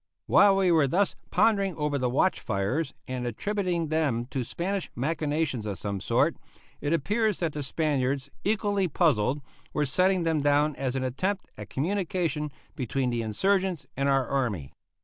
While we were thus pondering over the watch fires and attributing them to Spanish machinations of some sort, it appears that the Spaniards, equally puzzled, were setting them down as an attempt at communication between the insurgents and our army.